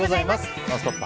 「ノンストップ！」